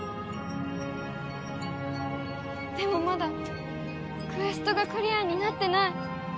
でもまだクエストがクリアになってない。